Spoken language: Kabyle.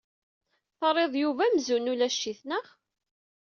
Terriḍ Yuba amzun ulac-it, naɣ?